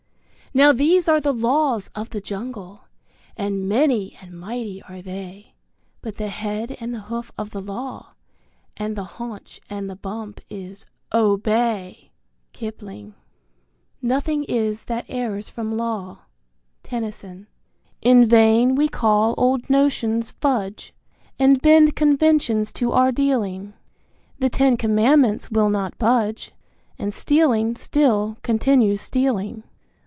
Now these are the Laws of the Jungle, and many and mighty are they; But the head and the hoof of the Law and the haunch and the bump is "Obey!" Kipling. Nothing is that errs from law. Tennyson. In vain we call old notions fudge, And bend conventions to our dealing, The Ten Commandments will not budge, And stealing still continues stealing.